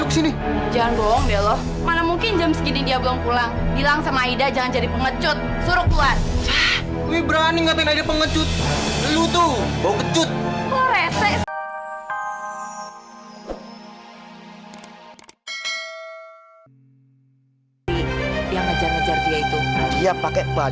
sampai jumpa di video selanjutnya